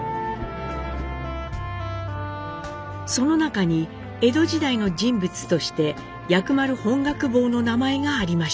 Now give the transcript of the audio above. その中に江戸時代の人物として薬丸本覚坊の名前がありました。